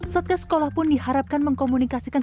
satgas sekolah pun diharapkan mengkomunikasikan